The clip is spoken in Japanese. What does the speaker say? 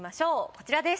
こちらです。